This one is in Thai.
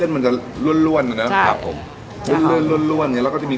มันหอมจากไรเนี่ย